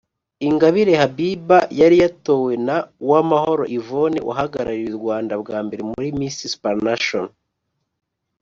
Ingabire Habiba yari yatowe na Uwamahoro Yvonne wahagarariye u Rwanda bwa mbere muri Miss Supranational